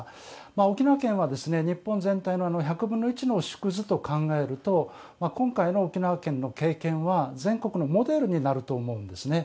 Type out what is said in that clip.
沖縄県は日本全体の１００分の１の縮図と考えると今回の沖縄県の経験は、全国のモデルになると思うんですね。